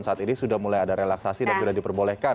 saat ini sudah mulai ada relaksasi dan sudah diperbolehkan